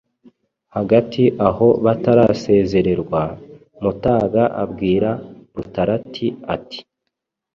Hagati aho batarasezererwa, Mutaga abwira Rutarati ati: